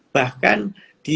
bahkan dia bisa isolasi mandi